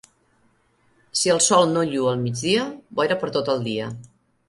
Si el sol no lluu al migdia, boira per tot el dia.